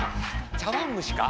ちゃわんむしか！